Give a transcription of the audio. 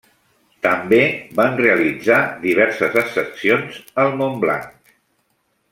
També van realitzar diverses ascensions al Mont Blanc.